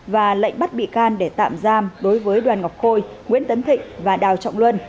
và lệnh bắt bị can để tạm giam đối với đoàn ngọc khôi nguyễn tấn thịnh và đào trọng luân